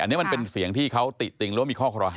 อันนี้มันเป็นเสียงที่เขาติดติ๊งแล้วมีข้อครอบคราว